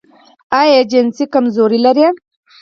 ایا جنسي کمزوري لرئ؟